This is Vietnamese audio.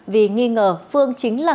vì nghi ngờ phương chính là người đối tượng